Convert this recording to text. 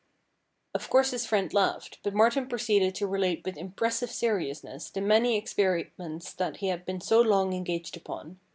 Of course his friend laughed, but Martin proceeded to relate with impressive serious ness the many experiments that he had been so long engaged upon.